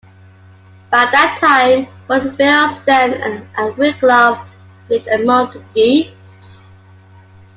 By that time both Weohstan and Wiglaf "lived among the Geats".